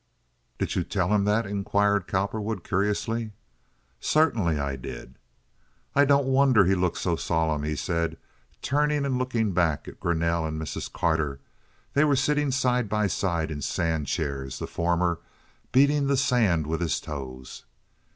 "Did you tell him that?" inquired Cowperwood, curiously. "Certainly I did." "I don't wonder he looks so solemn," he said, turning and looking back at Greanelle and Mrs. Carter; they were sitting side by side in sand chairs, the former beating the sand with his toes.